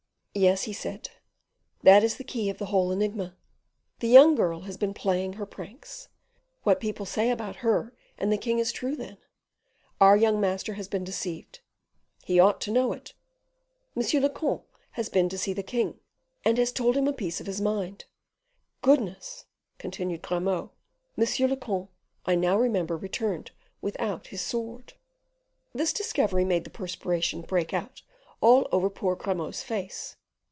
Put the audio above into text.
"Yes," he said, "that is the key of the whole enigma. The young girl has been playing her pranks; what people say about her and the king is true, then; our young master has been deceived; he ought to know it. Monsieur le comte has been to see the king, and has told him a piece of his mind; and then the king sent M. d'Artagnan to arrange the affair. Ah! gracious goodness!" continued Grimaud, "monsieur le comte, I now remember, returned without his sword." This discovery made the perspiration break out all over poor Grimaud's face.